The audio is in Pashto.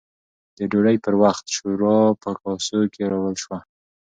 د ډوډۍ پر وخت، شورا په کاسو کې راوړل شوه